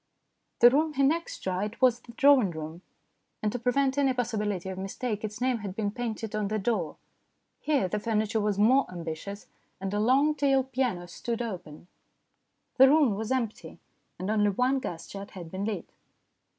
The room he next tried was the drawing room, and to prevent any possibility of mistake its name had been painted on the door. Here the furniture was more ambitious, and a long tailed piano stood open. The room was empty, and only one gas jet had been lit.